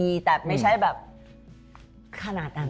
มีแต่ไม่ใช่แบบขนาดนั้น